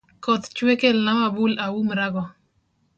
Koth chwe kelna mabul aumrago